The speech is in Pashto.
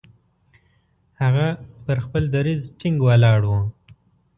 هغه پر خپل دریځ ټینګ ولاړ وو.